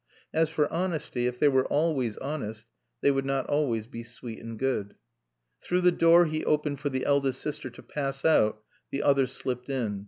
As for honesty, if they were always honest they would not always be sweet and good. Through the door he opened for the eldest sister to pass out the other slipped in.